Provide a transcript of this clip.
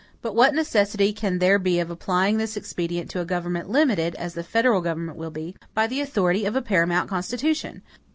But what necessity can there be of applying this expedient to a government limited, as the federal government will be, by the authority of a paramount Constitution?